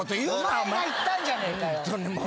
お前が言ったんじゃねえか。